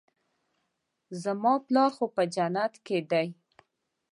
زما پلار خو په جنت کښې دى.